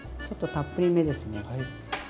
ちょっとたっぷりめですね。